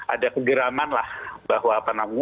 ada kegeraman lah bahwa apa namanya